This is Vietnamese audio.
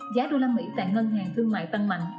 giá đô la mỹ tại ngân hàng thương mại tăng mạnh